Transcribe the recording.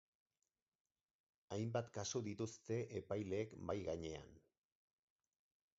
Hainbat kasu dituzte epaileek mahai gainean.